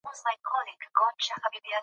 که موږ یووالي ولرو نو هېواد مو پرمختګ کوي.